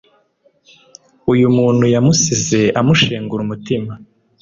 uyu muntu yamusize amushengura umutima